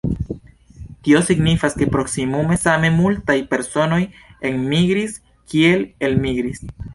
Tio signifas, ke proksimume same multaj personoj enmigris kiel elmigris.